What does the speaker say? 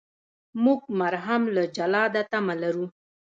موږ مرهم له جلاده تمه لرو.